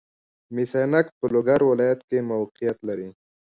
مس عینک په لوګر ولایت کې موقعیت لري